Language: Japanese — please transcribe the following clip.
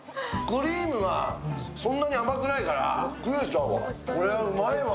クリームがそんなに甘くないから食えちゃうわ。